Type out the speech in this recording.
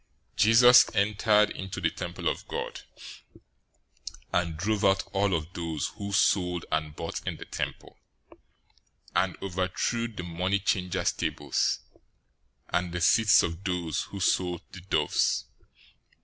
021:012 Jesus entered into the temple of God, and drove out all of those who sold and bought in the temple, and overthrew the money changers' tables and the seats of those who sold the doves.